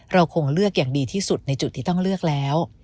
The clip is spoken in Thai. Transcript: เราคงเลือกอย่างดีที่สุดในจุดที่ต้องเลือกแล้ว